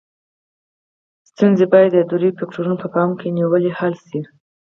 ستونزې باید د دریو فکتورونو په پام کې نیولو حل شي.